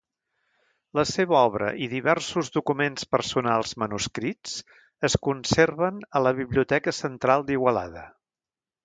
La seva obra i diversos documents personals manuscrits es conserven a la Biblioteca Central d'Igualada.